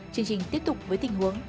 chương trình tiếp tục với tình huống